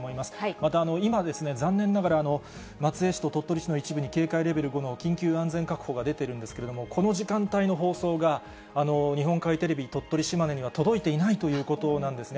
また、今、残念ながら、松江市と鳥取市の一部に警戒レベル５の緊急安全確保が出ているんですけれども、この時間の放送が、日本海テレビ、鳥取、島根には届いていないということなんですね。